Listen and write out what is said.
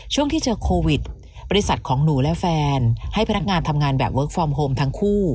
ช่วงที่เจอโควิดบริษัทของหนูและแฟนให้พนักงานทำงานแบบเวิร์คฟอร์มโฮมทั้งคู่